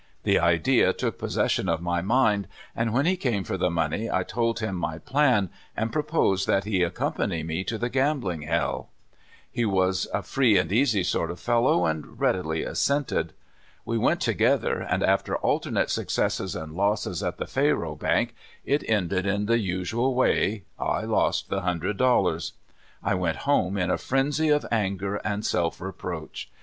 The idea took possession of my mind, and when he came for the money I told him my plan, and proposed that he accompany me to the gambling hell. He was a free and easy sort of fellow, and readily assented. We went together, and after alternate successes and losses at the faro bank, it ended in the usual way: I lost the hundred dollars. I went home in a frenzy of anger and self reproach.